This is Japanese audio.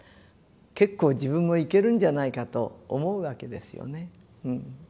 結構自分もイケるんじゃないかと思うわけですよね。